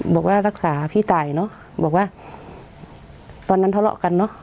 บอกว่ารักษาพี่ตายเนอะบอกว่าตอนนั้นทะเลาะกันเนอะ